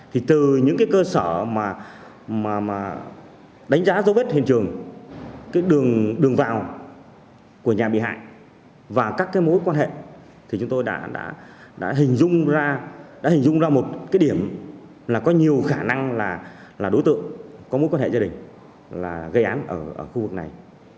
thì từ những cái cơ sở mà đánh giá dấu vết hiện trường cái đường vào của nhà bị hại và các cái mối quan hệ thì chúng tôi đã hình dung ra một cái điểm là có nhiều khả năng là đối tượng có mối quan hệ gia đình là gây án ở khu vực này